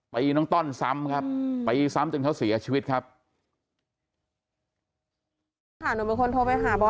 น้องต้อนซ้ำครับตีซ้ำจนเขาเสียชีวิตครับ